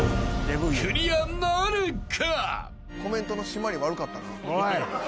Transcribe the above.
［クリアなるか？］